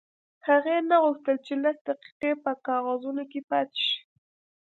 هغې نه غوښتل چې لس دقیقې په کاغذونو کې پاتې شي